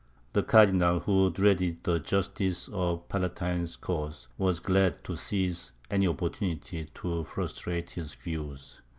The cardinal, who dreaded the justice of the Palatine's cause, was glad to seize any opportunity to frustrate his views.